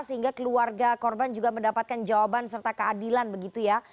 sehingga keluarga korban juga mendapatkan jawaban serta keadilan begitu ya